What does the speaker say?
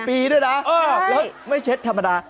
๑๘ปีด้วยนะ